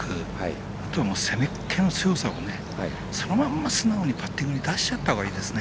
あとは攻めっ気の強さもそのままパットに素直に出しちゃったほうがいいです。